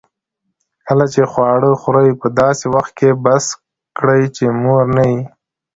کله چي خواړه خورې؛ په داسي وخت کښې بس کړئ، چي موړ نه يې.